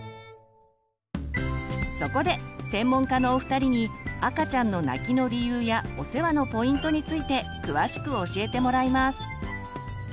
そこで専門家のお二人に赤ちゃんの泣きの理由やお世話のポイントについて詳しく教えてもらいます。